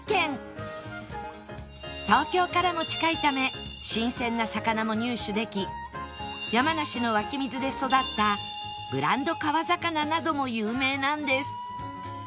東京からも近いため新鮮な魚も入手でき山梨の湧き水で育ったブランド川魚なども有名なんです